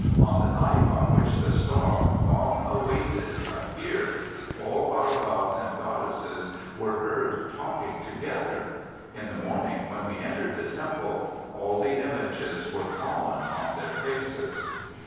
On the night on which the star, long awaited, appeared, all our gods and goddesses were heard talking together; in the morning when we entered the temple, all the images were fallen on their faces.